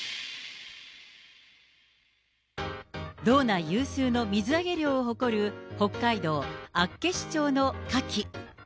道内有数の水揚げ量を誇る、北海道厚岸町のカキ。